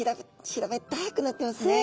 平べったくなってますね。